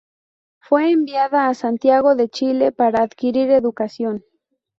Fue enviada a Santiago de Chile para adquirir educación.